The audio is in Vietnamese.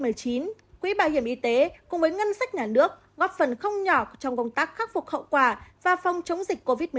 quỹ bảo hiểm y tế cùng với ngân sách nhà nước góp phần không nhỏ trong công tác khắc phục hậu quả và phòng chống dịch covid một mươi chín